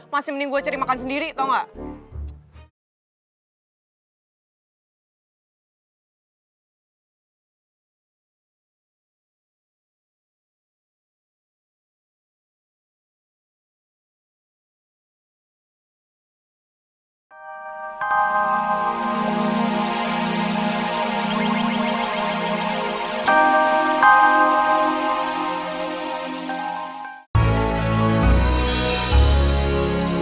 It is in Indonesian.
mending gua cari makan sendiri tau gak